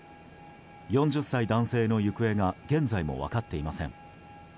４０歳男性の行方が現在も分かっていません。